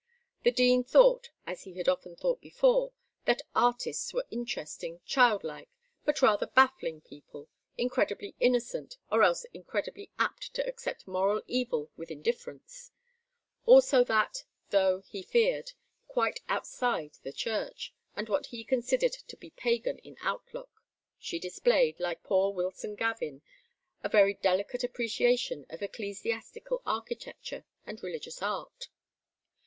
The Dean thought, as he had often thought before, that artists were interesting, child like, but rather baffling people, incredibly innocent, or else incredibly apt to accept moral evil with indifference; also that, though, he feared, quite outside the Church, and what he considered to be pagan in outlook, she displayed, like poor Wilson Gavin, a very delicate appreciation of ecclesiastical architecture and religious art.